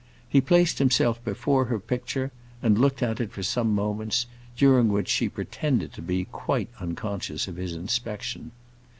He placed himself before her picture and looked at it for some moments, during which she pretended to be quite unconscious of his inspection.